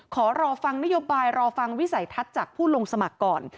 ขอรอฟังนโยบายรอฟังวิสัยทัศน์จากผู้ลงสมัครก่อน